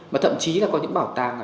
và thậm chí là có những bảo tàng